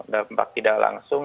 dampak tidak langsung